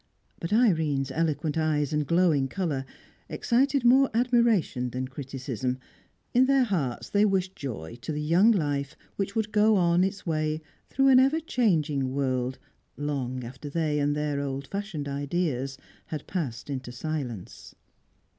But Irene's eloquent eyes and glowing colour excited more admiration than criticism; in their hearts they wished joy to the young life which would go on its way through an ever changing world long after they and their old fashioned ideas had passed into silence.